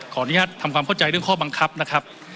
ขออนุญาตทำความเข้าใจเรื่องข้อบังคับนะครับ